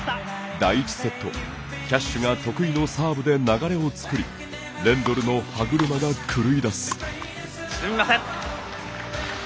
第１セット、キャッシュが得意のサーブで流れを作りレンドルの歯車が狂いだす。